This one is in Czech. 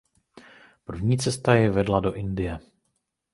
První cesta jej vedla do Indie.